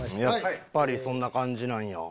やっぱりそんな感じなんや。